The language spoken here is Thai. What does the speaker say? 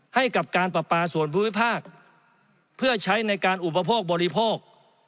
ให้กับการประปาส่วนภูมิภาคเพื่อใช้ในการอุปโภคบริโภค